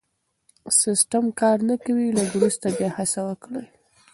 سيسټم کار نه کوي لږ وروسته بیا هڅه وکړئ